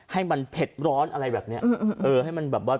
ให้มันเผ็ดร้อนอะไรแบบนี้